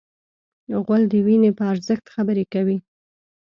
غول د وینې په ارزښت خبرې کوي.